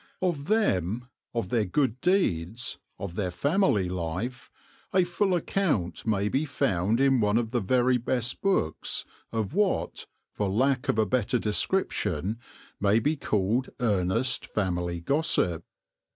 Of them, of their good deeds, of their family life, a full account may be found in one of the very best books of what, for lack of a better description, may be called earnest family gossip.